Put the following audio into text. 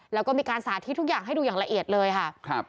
แล้วก็มีการสาธิตทุกอย่างให้ดูอย่างละเอียดเลยค่ะ